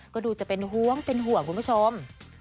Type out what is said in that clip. ก็ดูจะเป็นห่วงเป็นห่วงคุณผู้ชม